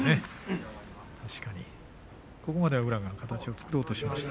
ここまでは宇良が形を作ろうとしました。